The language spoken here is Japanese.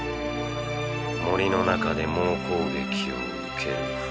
森の中で猛攻撃を受けるフシ。